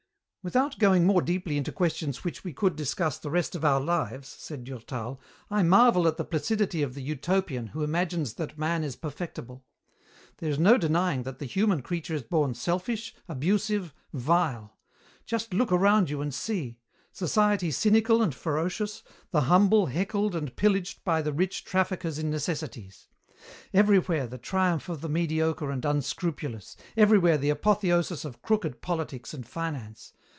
"Without going more deeply into questions which we could discuss the rest of our lives," said Durtal, "I marvel at the placidity of the Utopian who imagines that man is perfectible. There is no denying that the human creature is born selfish, abusive, vile. Just look around you and see. Society cynical and ferocious, the humble heckled and pillaged by the rich traffickers in necessities. Everywhere the triumph of the mediocre and unscrupulous, everywhere the apotheosis of crooked politics and finance.